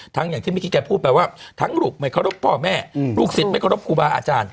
อย่างที่เมื่อกี้แกพูดไปว่าทั้งลูกไม่เคารพพ่อแม่ลูกศิษย์ไม่เคารพครูบาอาจารย์